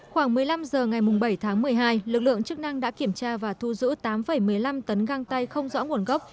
khoảng một mươi năm h ngày bảy tháng một mươi hai lực lượng chức năng đã kiểm tra và thu giữ tám một mươi năm tấn găng tay không rõ nguồn gốc